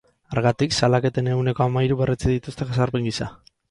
Hargatik, salaketen ehuneko hamairu berretsi dituzte jazarpen gisa.